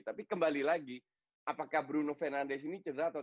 tapi kembali lagi apakah bruno fernandes ini cedera atau